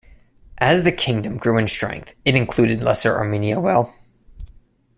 As the kingdom grew in strength, it included Lesser Armenia well.